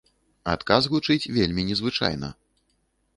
Адказ гучыць вельмі незвычайна.